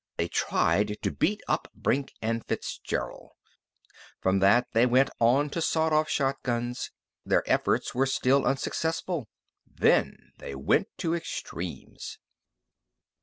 They tried to beat up Brink and Fitzgerald. From that they went on to sawed off shotguns. Their efforts were still unsuccessful. Then they went to extremes.